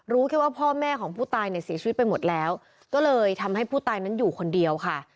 แค่ว่าพ่อแม่ของผู้ตายเนี่ยเสียชีวิตไปหมดแล้วก็เลยทำให้ผู้ตายนั้นอยู่คนเดียวค่ะ